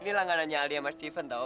inilah anganannya aldi sama steven tau